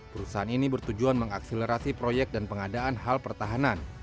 perusahaan ini bertujuan mengakselerasi proyek dan pengadaan hal pertahanan